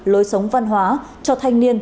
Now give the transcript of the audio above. lối sống văn hóa cho thanh niên